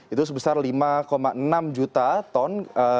itu sebesar lima enam juta ton